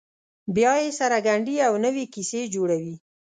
بیا یې سره ګنډي او نوې کیسې جوړوي.